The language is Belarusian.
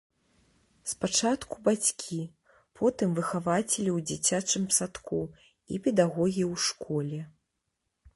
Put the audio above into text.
Спачатку бацькі, потым выхавацелі ў дзіцячым садку і педагогі ў школе.